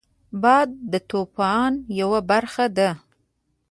باد د طوفان یو برخه ده